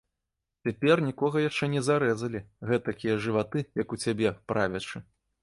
Цяпер нікога яшчэ не зарэзалі, гэтакія жываты, як у цябе, правячы.